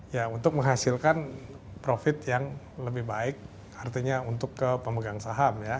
ya untuk menghasilkan profit yang lebih baik artinya untuk ke pemegang saham ya